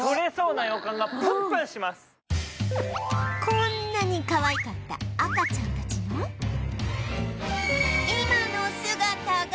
こんなにかわいかった赤ちゃんたちの